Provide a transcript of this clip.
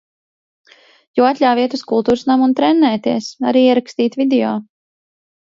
Jo atļāva iet uz kultūras namu un trenēties. Arī ierakstīt video.